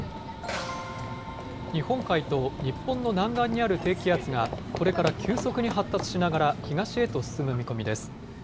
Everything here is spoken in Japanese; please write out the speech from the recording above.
日本海と日本の南岸にある低気圧が、これから急速に発達しながら東へと進む見込みです。